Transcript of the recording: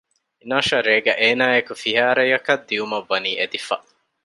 އިނާޝާ ރޭގައި އޭނައާއި އެކު ފިހާރަޔަކަށް ދިއުމަށްވަނީ އެދިފަ